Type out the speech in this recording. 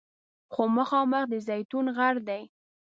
خو مخامخ د زیتون غر دی.